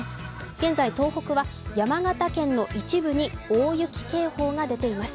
現在、東北は山形県の一部に大雪警報が出ています。